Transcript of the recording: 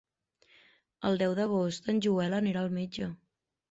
El deu d'agost en Joel anirà al metge.